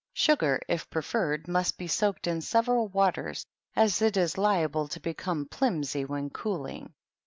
Sugar, if preferred, must be soaked in several waters, as it is liable to become plimsy when cooling.